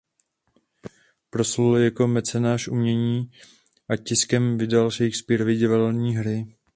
Proslul jako mecenáš umění a tiskem vydal Shakespearovy divadelní hry.